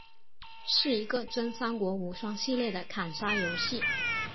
是一个真三国无双系列的砍杀游戏。